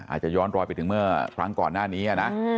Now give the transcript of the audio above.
อาจจะย้อนรอยไปถึงเมื่อครั้งก่อนหน้านี้นะ